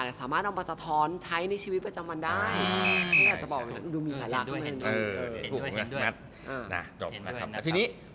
สามารถเอามาสะท้อนใช้ในชีวิตประจำวันได้